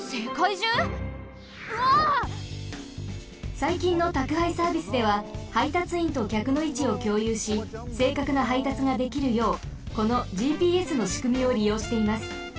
さいきんのたくはいサービスでははいたついんときゃくのいちをきょうゆうしせいかくなはいたつができるようこのＧＰＳのしくみをりようしています。